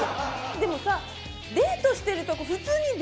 でもさ。